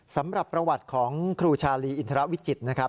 สำหรับประวัติของครูชาลีอินทรวิจิตรนะครับ